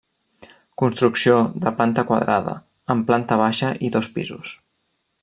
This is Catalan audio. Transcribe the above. Construcció de planta quadrada, amb planta baixa i dos pisos.